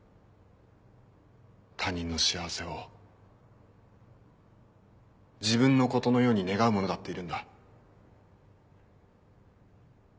他人の幸せを自分のことのように願う者だっているんだ。